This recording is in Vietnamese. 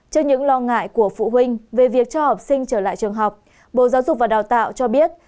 trước những lo ngại của phụ huynh về việc cho học sinh trở lại trường học bộ giáo dục và đào tạo cho biết